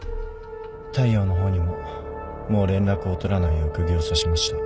大陽の方にももう連絡を取らないよう釘を刺しました。